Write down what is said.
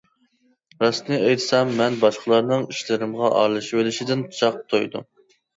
راستىنى ئېيتسام مەن باشقىلارنىڭ ئىشلىرىمغا ئارىلىشىۋېلىشىدىن جاق تويدۇم.